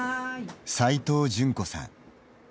齋藤順子さん。